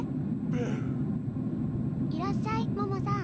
バウいらっしゃい桃さん